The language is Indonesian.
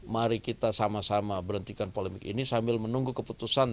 mari kita sama sama berhentikan polemik ini sambil menunggu keputusan